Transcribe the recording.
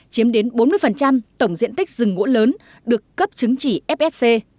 chiếm đến bốn mươi tổng diện tích rừng ngũ lớn được cấp chứng chỉ fsc